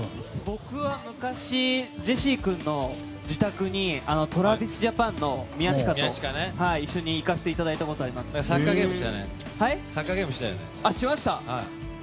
僕は昔、ジェシー君の自宅にＴｒａｖｉｓＪａｐａｎのメンバーと一緒に行かせていただいたことがあります。しました！